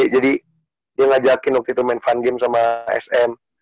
jadi dia ngajakin waktu itu main fun game sama sm